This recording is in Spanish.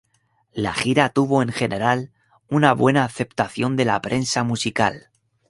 La gira tuvo en general una buena aceptación de la prensa musical.